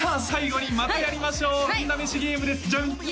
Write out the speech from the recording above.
最後にまたやりましょう運試しゲームですジャン！